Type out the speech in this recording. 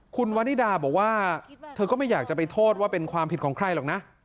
คุณวันนิดาบอกว่าเธอก็ไม่อยากจะไปโทษว่าเป็นความผิดของใครหรอกนะ